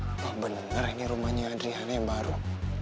apa beneran ini rumahnya adriana yang baru